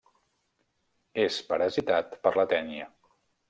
És parasitat per la tènia.